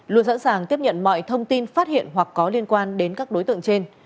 luôn sẵn sàng tiếp nhận mọi thông tin phát hiện hoặc có liên quan đến các đối tượng trên